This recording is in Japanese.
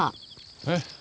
えっ？